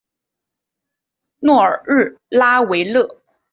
诺尔日拉维勒。